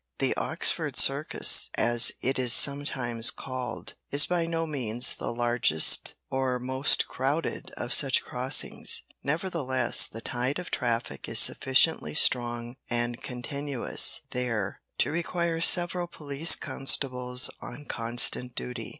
The "Oxford Circus," as it is sometimes called, is by no means the largest or most crowded of such crossings, nevertheless the tide of traffic is sufficiently strong and continuous there to require several police constables on constant duty.